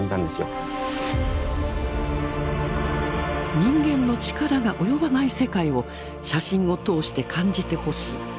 人間の力が及ばない世界を写真を通して感じてほしい。